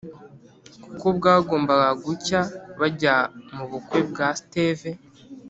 kuko bwagombaga gucya bajya mubukwe bwa steve